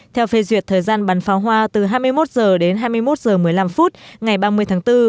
theo phê duyệt thời gian bắn pháo hoa từ hai mươi một h đến hai mươi một h một mươi năm phút ngày ba mươi tháng bốn